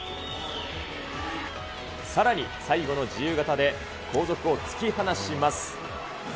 さらに最後の自由形で後続を突き放します。